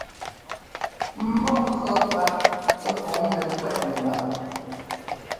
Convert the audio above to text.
Mbɔ́ŋkʉ̈ɔ́ pá kɔŋ nɛkwɛ́t mbap.